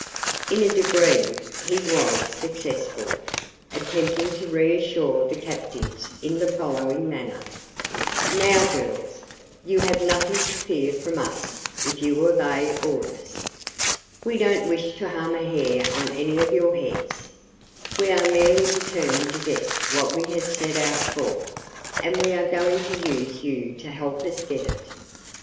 In a degree, he was successful, attempting to reassure the captives in the following manner: "Now, girls, you have nothing to fear from us, if you obey orders. We don't wish to harm a hair on any of your heads. We are merely determined to get what we have set out for, and we are going to use you to help us get it.